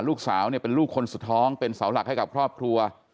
ลูกสาวเนี่ยเป็นลูกคนสุดท้องเป็นเสาหลักให้กับครอบครัว